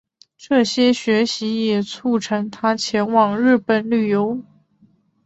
这些学习也促成他前往日本旅行。